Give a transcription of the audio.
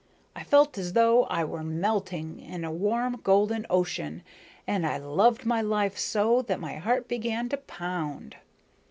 I felt as though I were melting in a warm golden ocean, and I loved my life so that my heart began to pound."